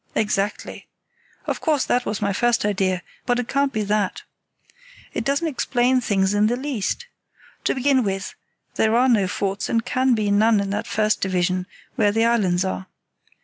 "Exactly. Of course that was my first idea; but it can't be that. It doesn't explain things in the least. To begin with, there are no forts and can be none in that first division, where the islands are.